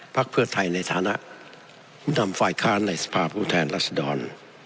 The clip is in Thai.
เพื่อไทยในฐานะผู้นำฝ่ายค้านในสภาพผู้แทนรัศดร